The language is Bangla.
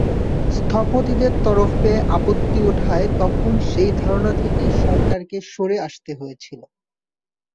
স্থপতিদের তরফে আপত্তি ওঠায় তখন সেই ধারণা থেকে সরকারকে সরে আসতে হয়েছিল।